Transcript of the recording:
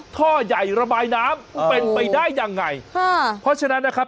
ท่อใหญ่ระบายน้ำเป็นไปได้ยังไงค่ะเพราะฉะนั้นนะครับ